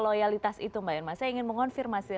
loyalitas itu mbak irma saya ingin mengonfirmasi